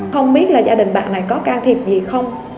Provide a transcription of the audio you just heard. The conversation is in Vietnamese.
không biết là gia đình bạn này có can thiệp gì không